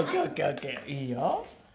いいよ。